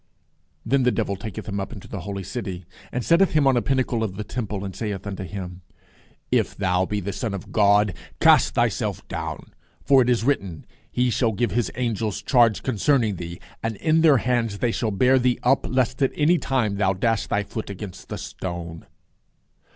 Then the devil taketh him up into the holy city, and setteth him on a pinnacle of the temple, and saith unto him, If thou be the Son of God, cast thyself down; for it is written, He shall give his angels charge concerning thee, and in their hands they shall bear thee up, lest at any time thou dash thy foot against a stone.